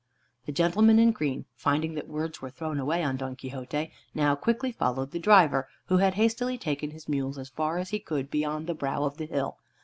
The gentleman in green, finding that words were thrown away on Don Quixote, now quickly followed the driver, who had hastily taken his mules as far away as he could beyond the brow of the hill.